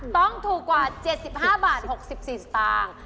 ต้องถูกกว่า๗๕บาท๖๔สตางค์